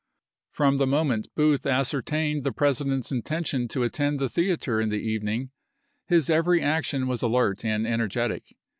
From the moment Booth ascertained the Presi dent's intention to attend the theater in the evening his every action was alert and energetic.